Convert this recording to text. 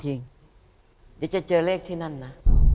เดี๋ยวจะเจอเลขที่นั่นนะ